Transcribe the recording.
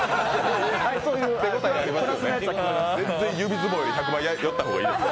そういう手応えがありましたか。